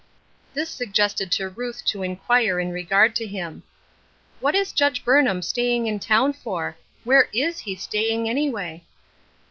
This suggested to Ruth to inquire in regard to him. " What is Judge Burnham staying in town for? Where is he staying, anyway?"